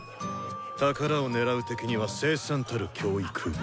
「宝を狙う敵には凄惨たる『教育』を」。